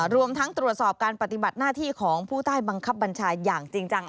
รวมทั้งตรวจสอบการปฏิบัติหน้าที่ของผู้ใต้บังคับบัญชาอย่างจริงจัง